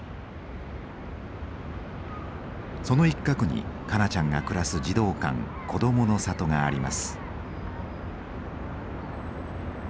その一角に香菜ちゃんが暮らす児童館「こどもの里」があります。